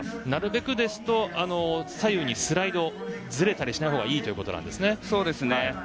なるべく左右にスライドずれたりしないほうがいいということですね。